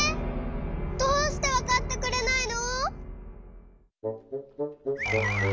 どうしてわかってくれないの！？